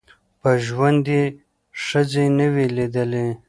په ژوند یې ښځي نه وې لیدلي